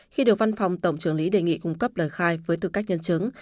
khi điều văn phòng tổng trưởng lý đề nghị cung cấp lời khai với tư cách nhân chứng